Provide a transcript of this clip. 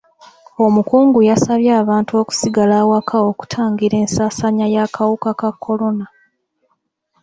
Omukungu yasabye abantu okusigala awaka okutangira ensaasaanya y'akawuka ka kolona.